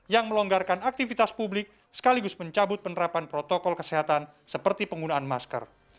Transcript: yang melonggarkan aktivitas publik sekaligus mencabut penerapan protokol kesehatan seperti penggunaan masker